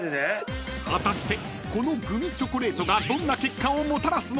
［果たしてこのグミチョコレートがどんな結果をもたらすのか⁉］